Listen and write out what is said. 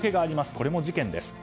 これも事件です。